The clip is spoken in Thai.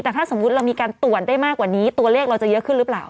แต่ถ้าสมมุติเรามีการตรวจได้มากกว่านี้ตัวเลขเราจะเยอะขึ้นหรือเปล่า